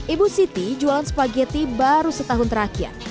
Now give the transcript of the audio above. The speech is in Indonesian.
ibu siti jualan spaghetti baru setahun terakhir